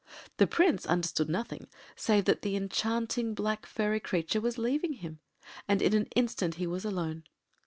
The Prince understood nothing save that the enchanting black furry creature was leaving him, and in an instant he was alone.